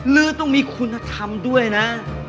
เรือต้องมีคุณธรรมด้วยนะ